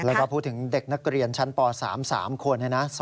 แล้วก็พูดถึงเด็กนักเรียนชั้นป๓๓คน